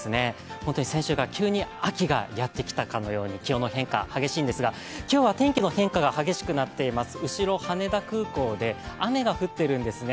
本当に先週から急に秋がやってきたかのように変化が激しいんですが、今日は天気の変化が激しくなっています、後ろ、羽田空港で、雨が降っているんですね